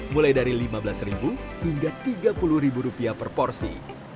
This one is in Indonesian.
mulai dari lima belas hingga tiga puluh rupiah per porsi